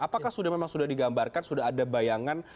apakah memang sudah digambarkan sudah ada bayangan